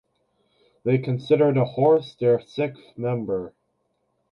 They consider the horse their sixth member.